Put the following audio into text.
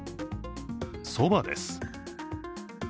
そばです。